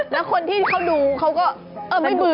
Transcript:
แล้วคนที่เขาดูเขาก็เออไม่เบื่อ